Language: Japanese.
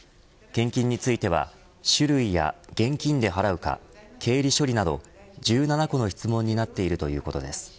献金については種類や現金で払うか経理処理など１７個の質問になっているということです。